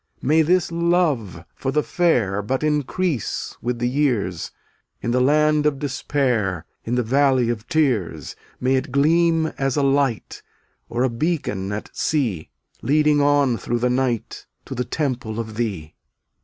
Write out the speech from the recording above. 248 May this love for the fair But increase with the years; In the land of Despair, In the valley of Tears, May it gleam as a light, Or a beacon at sea, Leading on through the night To the temple of Thee.